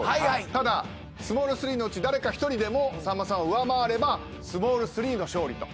ただスモール３のうち誰か１人でもさんまさんを上回ればスモール３の勝利と。